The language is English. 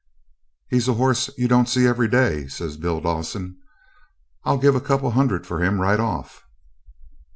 'He's a horse you don't see every day,' says Bill Dawson. 'I'll give a couple of hundred for him right off.'